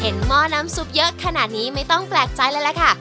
หม้อน้ำซุปเยอะขนาดนี้ไม่ต้องแปลกใจเลยล่ะค่ะ